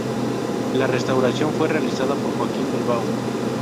La restauración fue realizada por Joaquín Bilbao.